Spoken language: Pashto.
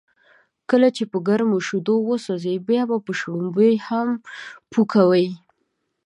کله چې په گرمو شیدو و سوځې، بیا به شړومبی هم پو کوې.